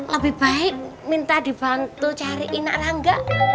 lebih baik minta dibantu cari inak rangga